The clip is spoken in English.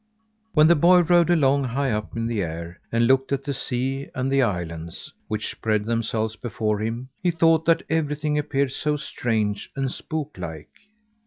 When the boy rode along high up in the air, and looked at the sea and the islands which spread themselves before him, he thought that everything appeared so strange and spook like.